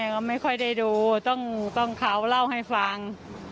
ก็ไม่ค่อยได้ดูต้องเขาเล่าให้ฟัง